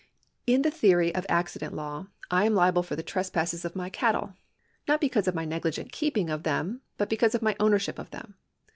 In the tlieory of ancient law T am liable for the trespasses of my cattle, not because of my negligent keeping of them, but because of my ownership of them.